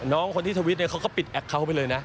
น้องคนที่ทวิตเขาก็ปิดแอ็กเขาไปเลยนะ